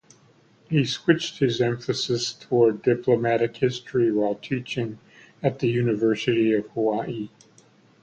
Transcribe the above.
He switched his emphasis towards diplomatic history while teaching at the University of Hawaii.